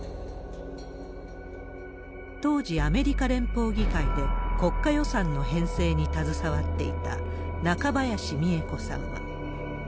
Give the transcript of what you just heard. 当時、アメリカ連邦議会で国家予算の編成に携わっていた中林美恵子さんは。